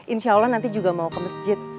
insyaallah nanti juga mau ke masjid